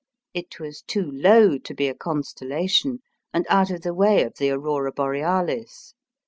It was too low to be a constellation, and out of the way of the aurora borealis.